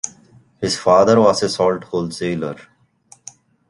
His father was a salt wholesaler.